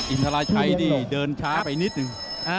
อินทราชัยนี่เดินช้าไปนิดหนึ่ง